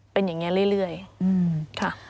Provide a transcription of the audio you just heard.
เป็นอย่างนี้เรื่อยค่ะ